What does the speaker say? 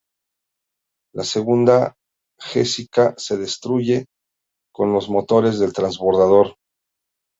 La segunda Jessica se destruye con los motores del transbordador.